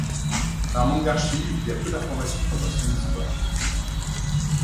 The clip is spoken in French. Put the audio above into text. Par manque d'archives il y a peu d'informations quant à son histoire.